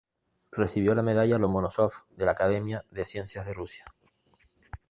Recibió la Medalla Lomonósov de la Academia de Ciencias de Rusia.